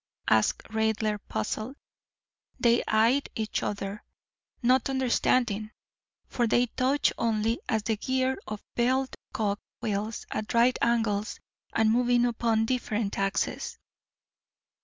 asked Raidler, puzzled. They eyed each other, not understanding, for they touched only as at the gear of bevelled cog wheels—at right angles, and moving upon different axes.